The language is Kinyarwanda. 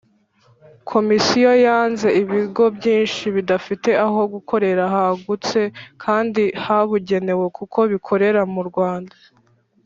Komisiyo yasanze ibigo byinshi bidafite aho gukorera hagutse kandi habugenewe kuko bikorera mu rwanda